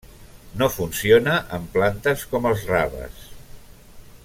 No funciona en plantes com els raves.